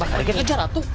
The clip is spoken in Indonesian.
bisa dikejar atu